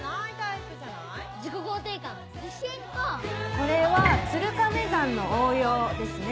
これは鶴亀算の応用ですね。